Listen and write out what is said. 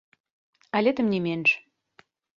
Але тым не менш.